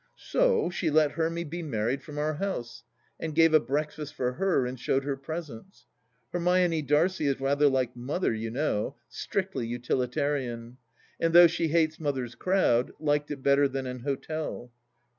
So she let Hermy be married from our house, and gave a breakfast for her and showed her presents. Hermione Darcy is rather like Mother, you know : strictly .utilitarian; and though she hates Mother's crowd, liked it better than an hotel.